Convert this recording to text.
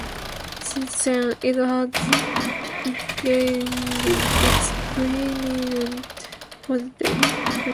Since then, it has regained its preeminent position.